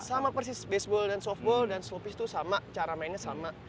sama persis baseball dan softball dan slow pitch itu sama cara mainnya sama